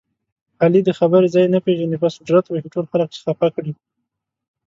علي د خبرې ځای نه پېژني بس ډرت وهي ټول خلک خپه کړي.